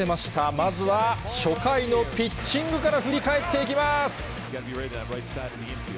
まずは初回のピッチングから振り返っていきます。